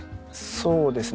そうですね。